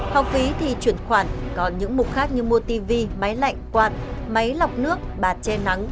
học phí thì chuyển khoản còn những mục khác như mua tv máy lạnh quạt máy lọc nước bạt che nắng